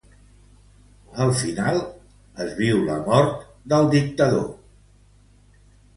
Al final, es viu la mort de Francisco Franco.